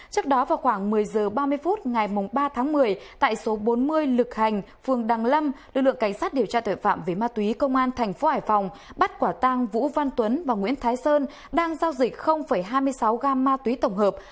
trước đó vào khoảng một mươi h ba mươi phút ngày ba tháng một mươi tại số bốn mươi lực hành phường đăng lâm lực lượng cảnh sát điều tra tội phạm về ma túy công an thành phố hải phòng bắt quả tang vũ văn tuấn và nguyễn thái sơn đang giao dịch hai mươi sáu gam ma túy tổng hợp